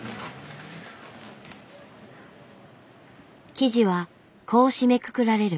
記事はこう締めくくられる。